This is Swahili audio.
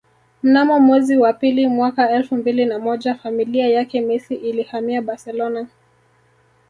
Mnamo mwezi wa pili mwaka elfu mbili na moja familia yake Messi ilihamia Barcelona